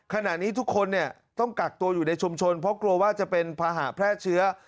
ขณะนี้ทุกคนต้องกักตัวอยู่ในชุมชนเพราะกลัวว่าจะเป็นภาหะแพร่เชื้อ